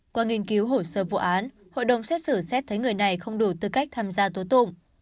qua nghiên cứu hồ sơ vụ án hội đồng xét xử xét thấy người này không đủ tư cách tham gia tố tụng